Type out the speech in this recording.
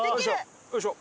よいしょ。